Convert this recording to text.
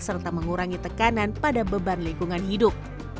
serta mengurangi tekanan pada beban lingkungan hidup